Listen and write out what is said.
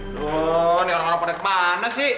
aduh ini orang orang pada kemana sih